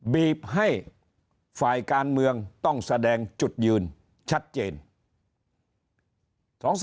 บีบให้ฝ่ายการเมืองต้องแสดงจุดยืนชัดเจน